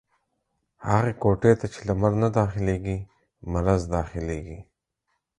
هغي کوټې ته چې لمر نه داخلېږي ، مرض دا خلېږي.